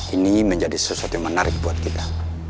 ini menjadi sesuatu yang menarik buat kita